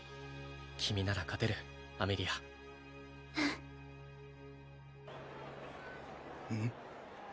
君なら勝てるアメリアうんうん？